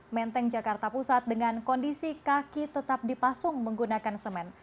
menteng jakarta pusat dengan kondisi kaki tetap dipasung menggunakan semen